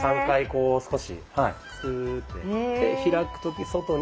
こう少しスーッてやって開く時外に。